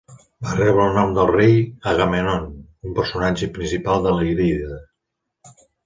Va rebre el nom del Rei Agamèmnon, un personatge principal de la Ilíada.